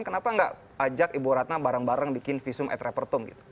kenapa nggak ajak ibu ratna bareng bareng bikin visum et repertum gitu